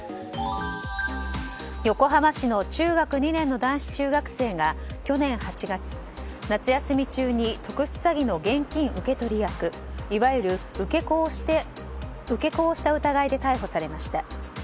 横浜市の中学２年の男子中学生が去年８月、夏休み中に特殊詐欺の現金受け取り役いわゆる受け子をした疑いで逮捕されました。